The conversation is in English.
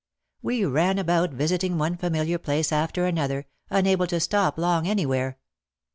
We ran about visiting one familiar place after another, un able to stop long anywhere.